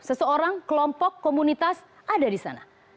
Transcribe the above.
seseorang kelompok komunitas ada di sana